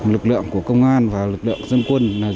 lực lượng của công an và lực lượng dân quân